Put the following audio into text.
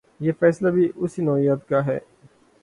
یہ فیصلہ بھی اسی نوعیت کا ہے۔